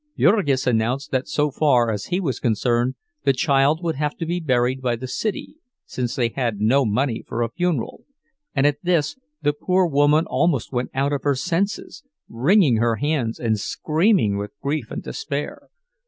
Jurgis announced that so far as he was concerned the child would have to be buried by the city, since they had no money for a funeral; and at this the poor woman almost went out of her senses, wringing her hands and screaming with grief and despair.